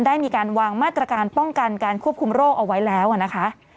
ได้มีการวางมาตรการป้องกันการควบคุมโรคเอาไว้แล้วนะคะ